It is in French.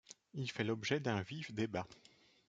Il fait l'objet d'un vif débat.